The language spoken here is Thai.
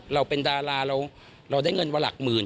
เราเป็นดาราเราได้เงินมาหลักหมื่น